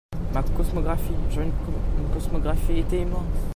Ma cosmographie, j'avais une cosmographie, était immense.